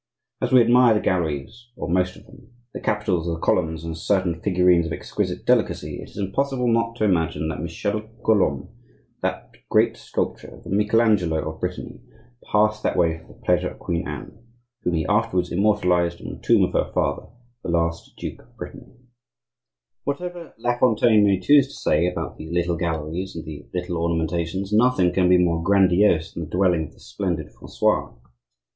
As we admire the galleries, or most of them, the capitals of the columns, and certain figurines of exquisite delicacy, it is impossible not to imagine that Michel Columb, that great sculptor, the Michel Angelo of Brittany, passed that way for the pleasure of Queen Anne, whom he afterwards immortalized on the tomb of her father, the last duke of Brittany. Whatever La Fontaine may choose to say about the "little galleries" and the "little ornamentations," nothing can be more grandiose than the dwelling of the splendid Francois.